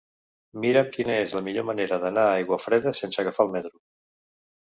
Mira'm quina és la millor manera d'anar a Aiguafreda sense agafar el metro.